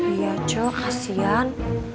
iya cok kasian